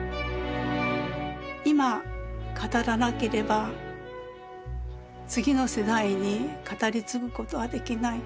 今語らなければ次の世代に語り継ぐことはできない。